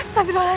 ibu sam drying